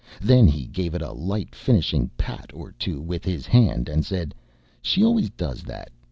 Then he gave it a light finishing pat or two with his hand, and said: "She always does that.